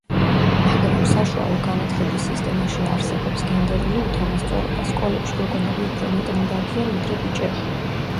მაგრამ საშუალო განათლების სისტემაში არსებობს გენდერული უთანასწორობა, სკოლებში გოგონები უფრო მეტნი დადიან, ვიდრე ბიჭები.